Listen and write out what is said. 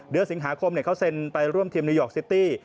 เดือนสิงหาคมเขาเซ็นไปร่วมทีมนิวยอร์กซิตี้